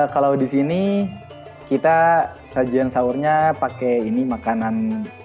kalau di sini kita sajian sahurnya pakai ini makanan